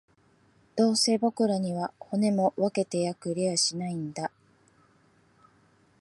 どうせ僕らには、骨も分けてくれやしないんだ